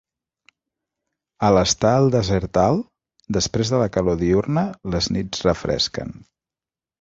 Al estar al desert alt, després de la calor diürna, les nits refresquen.